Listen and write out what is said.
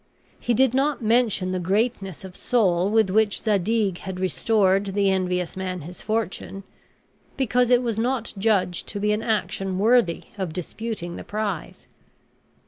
He did not mention the greatness of soul with which Zadig had restored the envious man his fortune, because it was not judged to be an action worthy of disputing the prize.